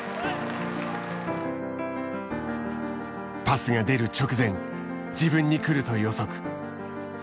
パスが出る直前自分に来ると予測。